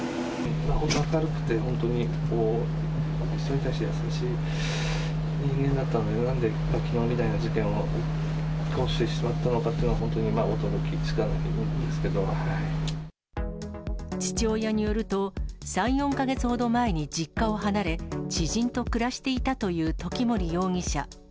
本当に明るくて、本当に人に対して優しい人間だったんで、なんできのうみたいな事件を起こしてしまったのかというのは、父親によると、３、４か月ほど前に実家を離れ、知人と暮らしていたという時森容疑者。